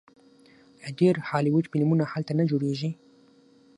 آیا ډیر هالیوډ فلمونه هلته نه جوړیږي؟